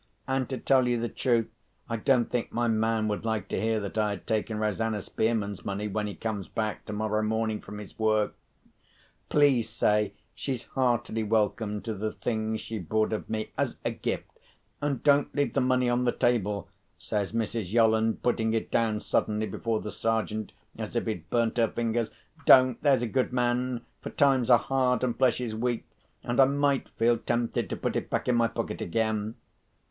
And to tell you the truth, I don't think my man would like to hear that I had taken Rosanna Spearman's money, when he comes back tomorrow morning from his work. Please say she's heartily welcome to the things she bought of me—as a gift. And don't leave the money on the table," says Mrs. Yolland, putting it down suddenly before the Sergeant, as if it burnt her fingers—"don't, there's a good man! For times are hard, and flesh is weak; and I might feel tempted to put it back in my pocket again."